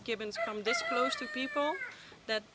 kepunasan ini mendekat dengan orang orang